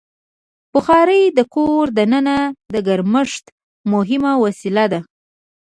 بخاري د کور دننه د ګرمښت مهمه وسیله ده.